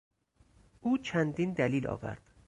او چندین دلیل آورد.